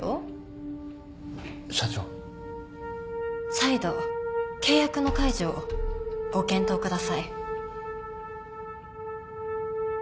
再度契約の解除をご検討ください。